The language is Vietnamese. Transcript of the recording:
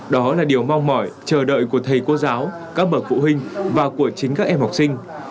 đó là điều mong mỏi chờ đợi của thầy cô giáo các bậc phụ huynh và của chính các em học sinh